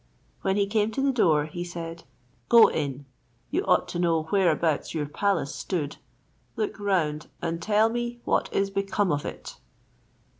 When he came to the door, he said, "Go in; you ought to know whereabouts your palace stood: look round and tell me what is become of it?"